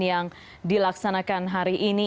yang dilaksanakan hari ini